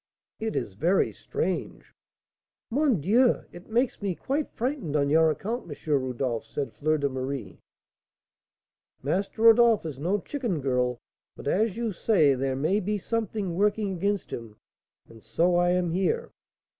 "It is very strange." "Mon Dieu! it makes me quite frightened on your account, M. Rodolph," said Fleur de Marie. "Master Rodolph is no chicken, girl; but as you say, there may be something working against him, and so I am here."